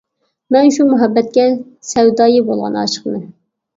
مەن شۇ مۇھەببەتكە سەۋدايى بولغان ئاشىقمەن.